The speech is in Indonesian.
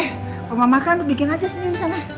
kalau mau makan lu bikin aja sini sana